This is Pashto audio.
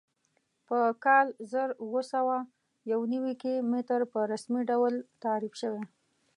په کال زر اووه سوه یو نوي کې متر په رسمي ډول تعریف شوی.